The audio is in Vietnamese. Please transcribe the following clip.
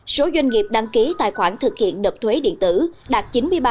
số doanh nghiệp đăng ký tài khoản thực hiện nộp thuế điện tử đạt chín mươi ba hai mươi bảy